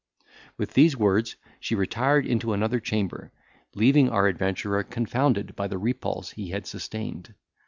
With these words she retired into another chamber, leaving our adventurer confounded by the repulse he had sustained.